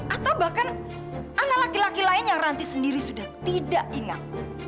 atau bahkan anak laki laki lain yang ranti sendiri sudah tidak ingat